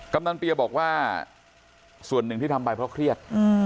กำนันเปียบอกว่าส่วนหนึ่งที่ทำไปเพราะเครียด